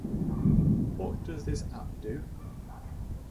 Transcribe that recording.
What does this app do?